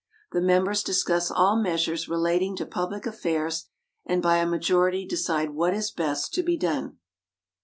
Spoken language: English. The members discuss all measures relating to public affairs, and by a majority decide what is best to be done.